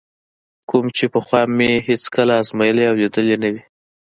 کوم چې پخوا مې هېڅکله ازمایلی او لیدلی نه وي.